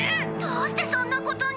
どうしてそんなことに？